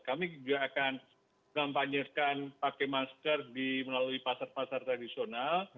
kami juga akan kampanyekan pakai masker di melalui pasar pasar tradisional